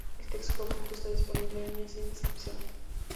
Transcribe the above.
El texto completo está disponible en línea, sin descripción.